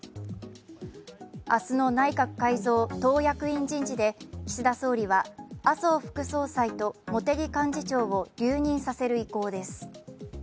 明日の内閣改造・党役員人事で岸田総理は麻生副総裁と茂木幹事長を留任させる意向です。